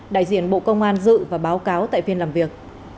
đại diện bộ công an dự và báo cáo tại phiên làm việc